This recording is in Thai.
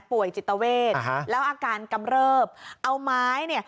ป่วยจิตเวทแล้วอาการกำเริบเอาไม้เนี่ย